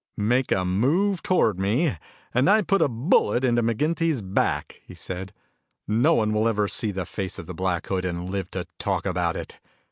"Make a move toward me, and I put a bullet into McGinty's back," he said. "No one will ever see the face of Black Hood and live to talk about it.